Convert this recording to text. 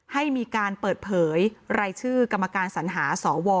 ให้มีการเปิดเผยรายชื่อกรรมการสัญหาสว